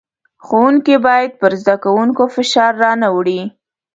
ښوونکی بايد پر زدکوونکو فشار را نۀ وړي.